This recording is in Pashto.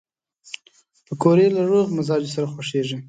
پکورې له روغ مزاجو سره خوښېږي